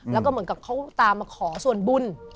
แล้วก็เหมือนกับเขาตามมาขอส่วนบุญ